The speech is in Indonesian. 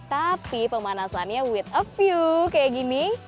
tapi pemanasannya with a view kayak gini